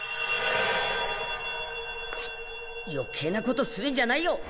チッよけいなことするんじゃないよ。